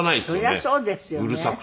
そりゃそうですよね。